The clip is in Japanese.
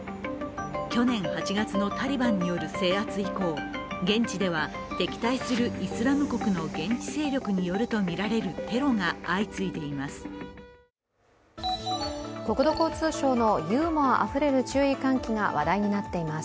去年８月のタリバンによる制圧以降現地では敵対するイスラム国の現地勢力によるとみられるテロが相次いでいます。